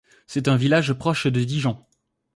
C'est un village proche de Dijon.